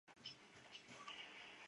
巴尔德纳克。